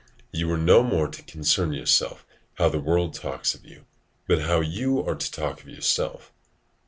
You are no more to concern yourself how the world talks of you, but how you are to talk to yourself.